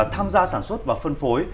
tham gia sản xuất và phân phối